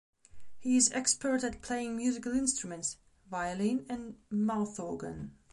He is expert at playing musical instruments: violin and mouthorgan.